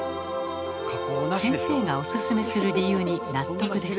先生がオススメする理由に納得です。